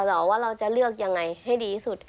แต่ว่าเราจะเลือกอย่างไรให้ดีสุด